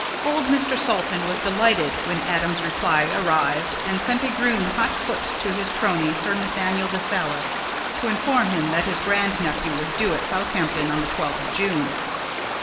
Old Mr. Salton was delighted when Adam's reply arrived and sent a groom hot foot to his crony, Sir Nathaniel de Salis, to inform him that his grand nephew was due at Southampton on the twelfth of June.